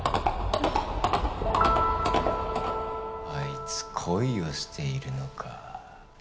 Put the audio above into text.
あいつ恋をしているのか。